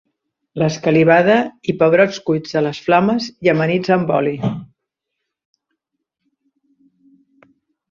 L'escalivada, i pebrots cuits a les flames i amanits amb oli.